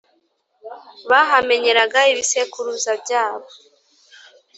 bahamenyeraga ibisekuruza byabo